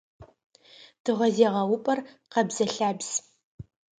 Тыгъэзегъэупӏэр къэбзэ-лъабз.